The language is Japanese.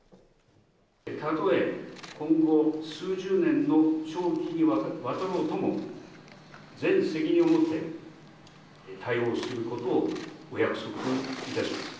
たとえ今後数十年の長期にわたろうとも、全責任をもって対応することをお約束いたします。